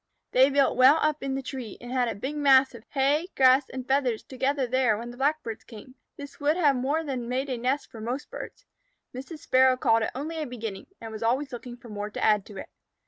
They built well up in the tree, and had a big mass of hay, grass, and feathers together there when the Blackbirds came. This would have more than made a nest for most birds. Mrs. Sparrow called it only a beginning, and was always looking for more to add to it.